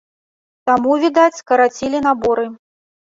Таму, відаць, скарацілі наборы.